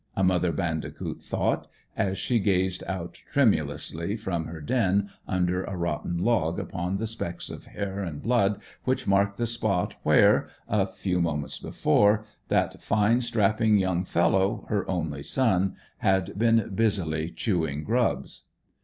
a mother bandicoot thought, as she gazed out tremulously from her den under a rotten log upon the specks of hair and blood which marked the spot where, a few moments before, that fine strapping young fellow, her only son, had been busily chewing grubs.